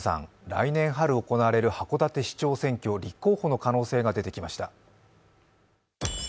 来年春、行われる函館市長選挙、立候補の可能性が出てきました。